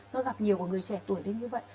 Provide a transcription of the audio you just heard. nó gặp nhiều của người trẻ tuổi đến như vậy